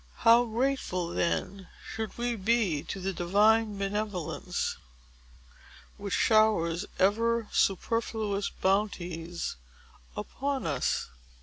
How grateful, then, should we be to that Divine Benevolence, which showers even superfluous bounties upon us!